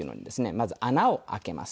まず穴を開けます。